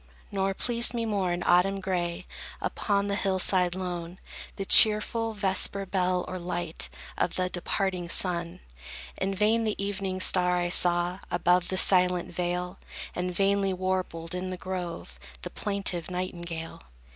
Nor pleased me more, in autumn gray, Upon the hill side lone, The cheerful vesper bell, or light Of the departing sun. In vain the evening star I saw Above the silent vale, And vainly warbled in the grove The plaintive nightingale.